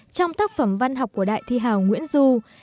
trong tác phẩm văn học của đại thi hào nguyễn du